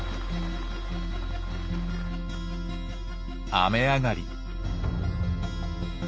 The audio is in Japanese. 雨上がり。